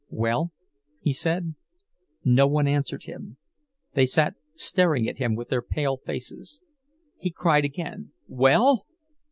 "Well?" he said. No one answered him, they sat staring at him with their pale faces. He cried again: "Well?"